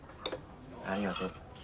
ありがとう。